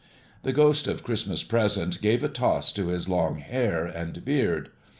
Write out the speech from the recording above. The Ghost of Christmas Present gave a toss to his long hair and beard.